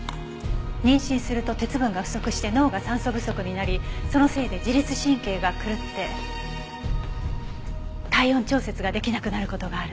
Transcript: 妊娠すると鉄分が不足して脳が酸素不足になりそのせいで自律神経が狂って体温調節が出来なくなる事があるの。